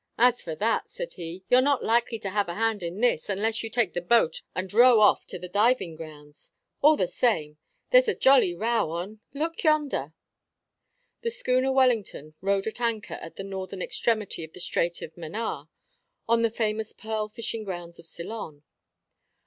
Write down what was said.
"As for that," said he, "you're not likely to have a hand in this, unless you take the boat and row off to the diving grounds. All the same, there's a jolly row on look yonder." The schooner Wellington rode at anchor at the northern extremity of the Strait of Manaar, on the famous pearl fishing grounds of Ceylon.